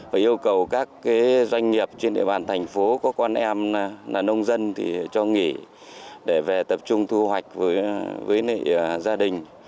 và yêu cầu các doanh nghiệp trên địa bàn thành phố có con em là nông dân thì cho nghỉ để về tập trung thu hoạch với gia đình